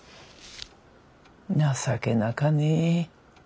情けなかね。